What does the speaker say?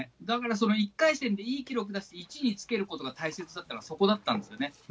だからその１回戦でいい記録を出して、１位につけることが大切だっていうのは、そこだったんですね。